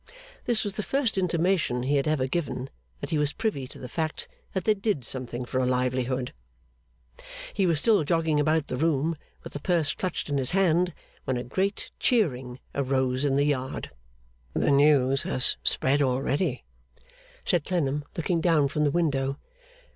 This was the first intimation he had ever given, that he was privy to the fact that they did something for a livelihood. He was still jogging about the room, with the purse clutched in his hand, when a great cheering arose in the yard. 'The news has spread already,' said Clennam, looking down from the window.